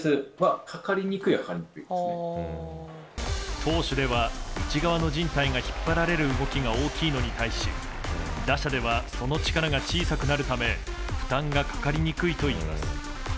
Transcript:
投手では内側のじん帯が引っ張れる動きが大きいのに対し、打者ではその力が小さくなるため負担がかかりにくいといいます。